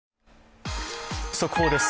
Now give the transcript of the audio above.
速報です。